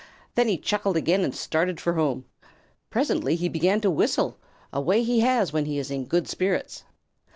Then he chuckled again and started for home. Presently he began to whistle, a way he has when he is in good spirits.